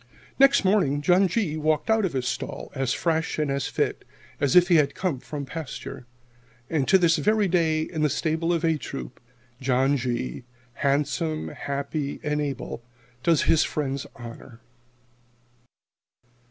_" Next morning John G. walked out of his stall as fresh and as fit as if he had come from pasture. And to this very day, in the stable of "A" Troop, John G., handsome, happy, and able, does his friends honor.